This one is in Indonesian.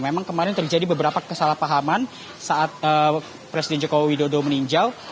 memang kemarin terjadi beberapa kesalahpahaman saat presiden joko widodo meninjau